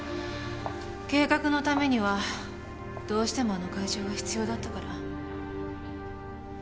計画のためにはどうしてもあの会場が必要だったから。